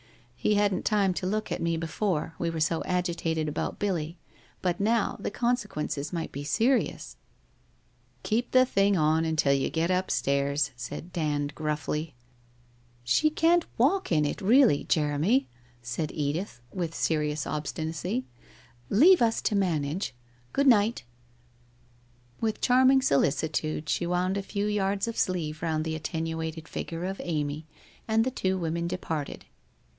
He hadn't time to look at me before, we were so agitated about Billy, but now, the consequences might be serious/ ' Keep the thing on until you get upstairs,' said Dand, gruffly. WHITE ROSE OF WEARY LEAF 83 ' She can't walk in it, really, Jeremy,' said Edith with serious obstinacy. 'Leave us to manage. Good night.' With charming solicitude she wound a few yards of sleeve round the attenuated figure of Amy, and the two women departed.